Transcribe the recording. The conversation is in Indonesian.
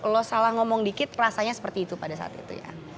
lo salah ngomong dikit rasanya seperti itu pada saat itu ya